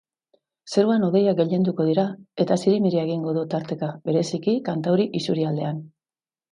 Zeruan hodeiak gailenduko dira etazirimiria egingo du tarteka, bereziki kantauri isurialdean.